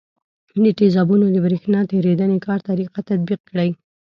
د تیزابونو د برېښنا تیریدنې کار طریقه تطبیق کړئ.